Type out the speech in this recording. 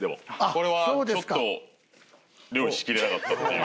これはちょっと料理しきれなかったっていう。